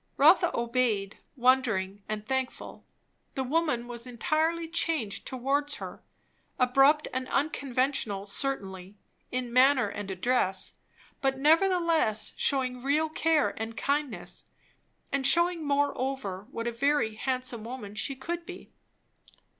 Rotha obeyed, wondering and thankful. The woman was entirely changed towards her; abrupt and unconventional, certainly, in manner and address, but nevertheless shewing real care and kindness; and shewing moreover what a very handsome woman she could be.